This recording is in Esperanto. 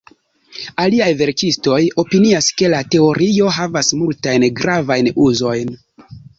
Aliaj verkistoj opinias, ke la teorio havas multajn gravajn uzojn.